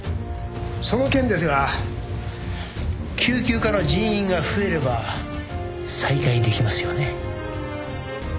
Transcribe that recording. その件ですが救急科の人員が増えれば再開できますよね。